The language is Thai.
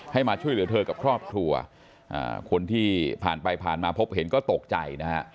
มาช่วยเหลือเธอกับครอบครัวคนที่ผ่านไปผ่านมาพบเห็นก็ตกใจนะฮะ